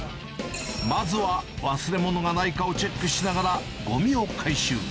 まずは忘れ物がないかをチェックしながらごみを回収。